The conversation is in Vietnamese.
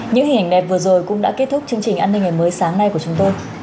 những hình ảnh đẹp vừa rồi cũng đã kết thúc chương trình an ninh ngày mới sáng nay của chúng tôi